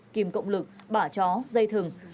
kìm cộng lực bả chó dây thừng